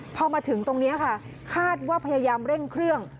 พอมาถึงตรงนี้ค่ะคาดว่าพยายามเร่งเครื่อง